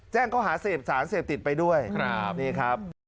แจ้งข้อหาเสพสารเสพติดไปด้วยนี่ครับ